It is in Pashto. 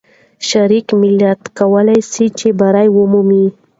شرقي ملت کولای سي چې بری ومومي.